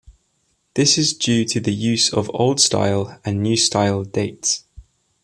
This is due to the use of Old Style and New Style dates.